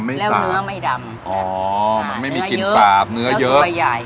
แล้วเนื้อไม่ดำอ๋อมันไม่มีกลิ่นสาบเนื้อเยอะตัวใหญ่